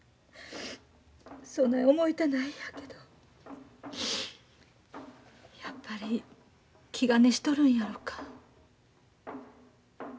そない思いたないんやけどやっぱり気兼ねしとるんやろか。